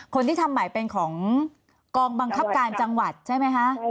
คนที่ทำใหม่เป็นของกองบังคับการจังหวัดใช่ไหมคะ